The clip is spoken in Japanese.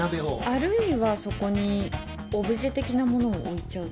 あるいはそこにオブジェ的なものを置いちゃうとか。